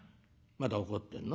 まだ怒ってんの？」。